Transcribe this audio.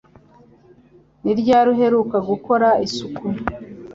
Ni ryari uheruka gukora isuku?